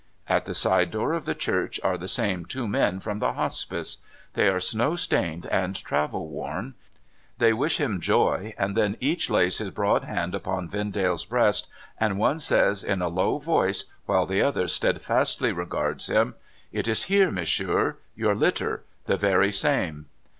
At the side door of the church, are the same two men from the Hospice. They are snow stained and travel worn. They wish him joy, and then each lays his broad hand upon Vendale's breast, and one says in a low voice, Avhile the other steadfastly regards him :' It is here, Monsieur. Your litter. The very same.'